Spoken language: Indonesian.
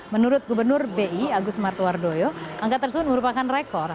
menurut gubernur bi agus martowardoyo angka tersebut merupakan rekor